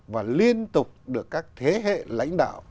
và liên tục được các thế hệ lãnh đạo